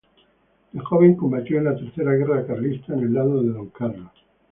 De joven combatió en la Tercera guerra carlista en el lado de Don Carlos.